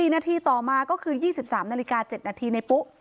๔นาทีต่อมาก็คือ๒๓นาฬิกา๗นาทีในปุ๊